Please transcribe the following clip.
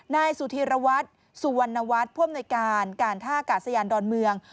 นายสุธีรวัตรสุวรรณวัฒน์ผู้อำนวยการการท่ากาศยานดอนเมือง